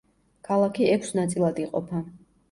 ქალაქი ექვს ნაწილად იყოფა.